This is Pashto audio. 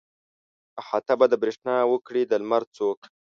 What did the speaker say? احاطه به د برېښنا وکړي د لمر څوک.